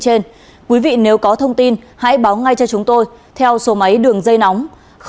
trên quý vị nếu có thông tin hãy báo ngay cho chúng tôi theo số máy đường dây nóng sáu mươi chín hai trăm ba mươi bốn năm nghìn tám trăm sáu mươi